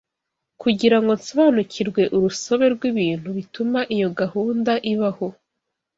Kugira ngo nsobanukirwe urusobe rw’ibintu bituma iyo gahunda ibaho